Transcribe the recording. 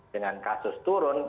dengan kasus turun